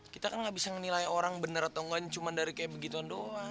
kita kan gak bisa ngenilai orang bener atau enggak cuma dari kayak begituan doang